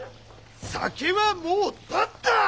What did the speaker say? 酒はもう断った！